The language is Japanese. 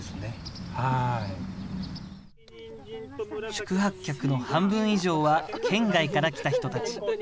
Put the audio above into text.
宿泊客の半分以上は県外から来た人たち。